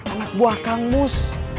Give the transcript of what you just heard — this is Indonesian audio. anak buah kang bus